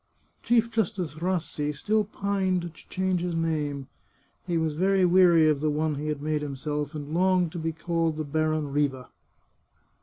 Chief Justice Rassi still pined to change his name. He was very weary of the one he had made himself, and longed to be called the Baron Riva.